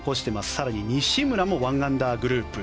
そして西村も１アンダーグループ。